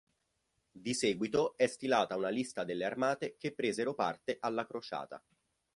Di seguito è stilata una lista delle armate che presero parte alla crociata.